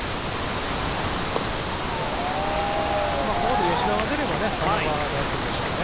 ここで吉田が出れば佐野が代走でしょうね。